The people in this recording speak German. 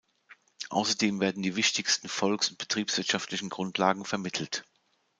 Außerdem werden die wichtigsten volks- und betriebswirtschaftlichen Grundlagen vermittelt.